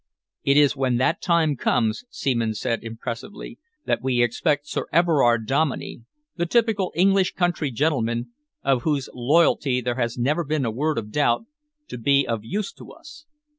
"It is when that time comes," Seaman said impressively, "that we expect Sir Everard Dominey, the typical English country gentleman, of whose loyalty there has never been a word of doubt, to be of use to us.